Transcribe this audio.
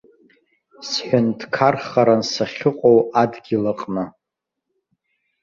Сҳәынҭқархаран сахьыҟоу адгьыл аҟны.